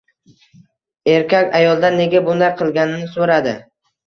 Erkak ayoldan nega bunday qilganini so‘radi.